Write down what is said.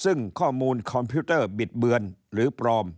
ซึ่งข้อมูลคอมพิวเตอร์บิดเบือนหรือปลอม